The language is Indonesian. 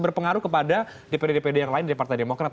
berpengaruh kepada dpd dpd yang lain dari partai demokrat